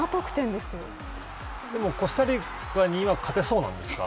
でもコスタリカには勝てそうなんですか。